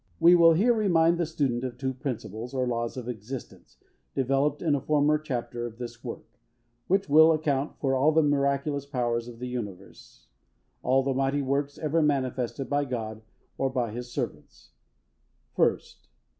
We will here remind the student of two principles, or laws of existence, developed in a former chapter of this work, which will account for all the miraculous powers of the universe all the mighty works ever manifested by God, or by His servants. First.